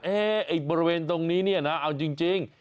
อร่อยไอ้บริเวณตรงนี้นะเอาจริง